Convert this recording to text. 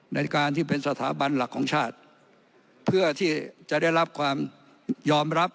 ในการที่เป็นสถาบันหลักของชาติเพื่อที่จะได้รับความยอมรับ